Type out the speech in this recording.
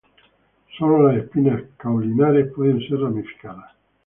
Sólo las espinas caulinares pueden ser ramificadas.